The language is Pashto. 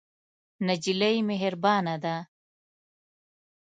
نجلۍ مهربانه ده.